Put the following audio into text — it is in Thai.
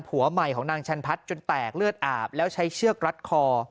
ผัวใหม่ของนางชันพัฒน์จนแตกเลือดอาบแล้วใช้เชือกรัดคอ